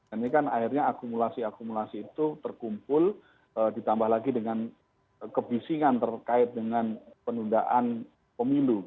ini kan akhirnya akumulasi akumulasi itu terkumpul ditambah lagi dengan kebisingan terkait dengan penundaan pemilu